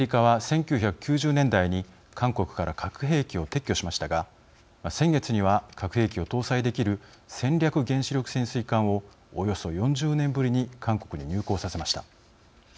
アメリカは１９９０年代に韓国から核兵器を撤去しましたが先月には、核兵器を搭載できる戦略原子力潜水艦をおよそ４０年ぶりに韓国に入港させました。